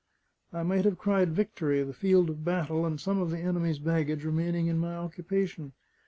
I might have cried victory, the field of battle and some of the enemy's baggage remaining in my occupation.